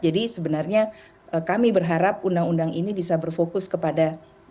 jadi sebenarnya kami berharap undang undang ini bisa berfokus kepada